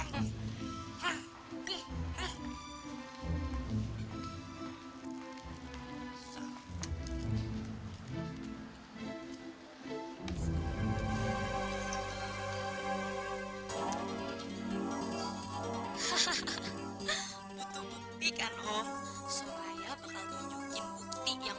sampai jumpa di video selanjutnya